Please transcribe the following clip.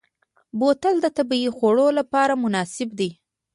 بوتل د طبعي خوړ لپاره مناسب دی.